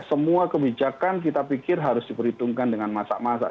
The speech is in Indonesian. semua kebijakan kita pikir harus diperhitungkan dengan masak masak